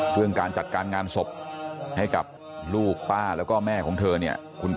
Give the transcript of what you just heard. เรื่องการจัดการงานศพให้กับลูกป้าแล้วก็แม่ของเธอเนี่ย